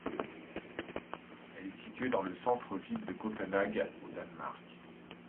Elle est située dans le centre-ville de Copenhague au Danemark.